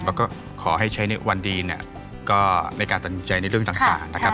แล้วก็ขอให้ใช้ในวันดีเนี่ยก็ในการตัดสินใจในเรื่องต่างนะครับ